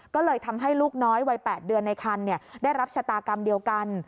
ก็เลยทำให้ลูกน้อยวัย๘เดือนในคันได้รับชะตากรรมเดียวกัน